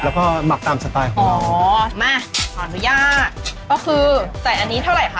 แล้วก็หมักตามสไตล์ของผมอ๋อมาขออนุญาตก็คือใส่อันนี้เท่าไหร่คะ